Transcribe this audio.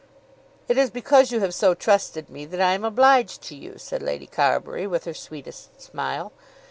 "It is because you have so trusted me that I am obliged to you," said Lady Carbury with her sweetest smile.